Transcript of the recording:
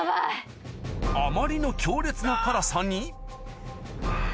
あまりの強烈な辛さにはぁ。